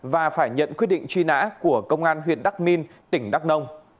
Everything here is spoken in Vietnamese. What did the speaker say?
và phải nhận quyết định truy nã của công an huyện đắc minh tỉnh đắk nông